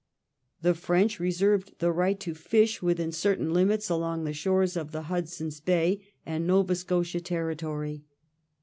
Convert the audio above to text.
The French reserved the right to fish within certain limits along the shores of the Hudson's Bay and Nova Scotia territory.